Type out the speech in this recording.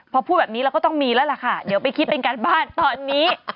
พอพูดแบบนี้เราก็ต้องมีแล้วล่ะค่ะเดี๋ยวไปคิดเป็นการบ้านตอนนี้